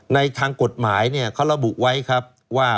ในทางกฎหมายเนี่ยเขาระบุไว้ครับว่า